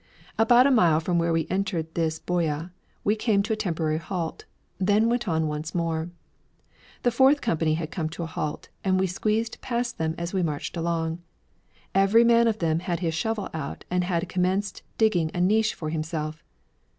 About a mile from where we entered this boyau we came to a temporary halt, then went on once more. The fourth company had come to a halt, and we squeezed past them as we marched along. Every man of them had his shovel out and had commenced digging a niche for himself.